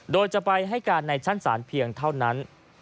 โดยจะไปให้การในชั้นศาลเพียงเท่านั้น